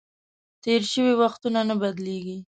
تېر شوي وختونه نه بدلیږي .